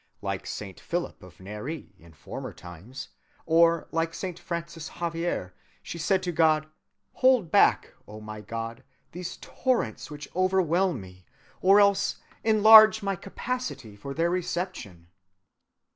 Like Saint Philip of Neri in former times, or like Saint Francis Xavier, she said to God: 'Hold back, O my God, these torrents which overwhelm me, or else enlarge my capacity for their reception.